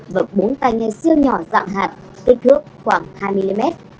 và bốn tay nghe siêu nhỏ dạng hạt kích thước khoảng hai mm